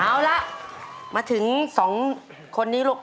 เอาละมาถึง๒คนนี้ลูก